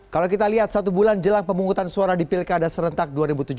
kalau kita lihat satu bulan jelang pemungutan suara di pilkada serentak dua ribu tujuh belas